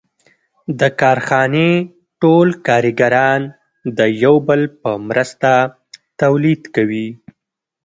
د کارخانې ټول کارګران د یو بل په مرسته تولید کوي